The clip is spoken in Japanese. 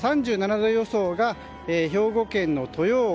３７度予想が兵庫県の豊岡